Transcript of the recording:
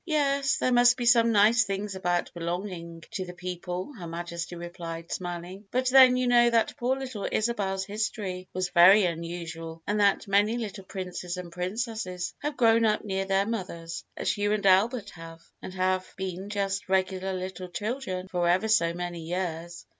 "Yes; there must be some nice things about belonging to the people," Her Majesty replied, smiling; "but then, you know that poor little Isabel's history was very unusual, and that many little princes and princesses have grown up near their mothers, as you and Albert have, and have been just regular little children for ever so many years."